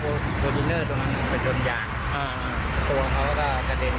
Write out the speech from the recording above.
ส่วนสองตายายขี่จักรยานยนต์อีกคันหนึ่งก็เจ็บถูกนำตัวส่งโรงพยาบาลสรรค์กำแพง